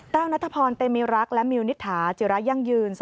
นัทพรเตมีรักและมิวนิษฐาจิระยั่งยืน